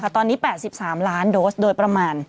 ตอนนี้๘๓ล้านโดสโดยประมาณ